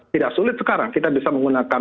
tidak sulit sekarang kita bisa menggunakan